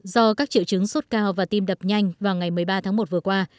do các triệu chứng sốt cao và tim đập nhanh vào ngày một mươi ba tháng một vừa qua